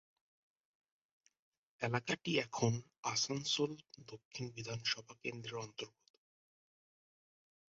এলাকাটি এখন আসানসোল দক্ষিণ বিধানসভা কেন্দ্রর অন্তর্গত।